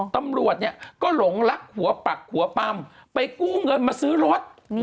ตำรวจเนี่ยก็หลงรักหัวปักหัวปั๊มไปกู้เงินมาซื้อรถ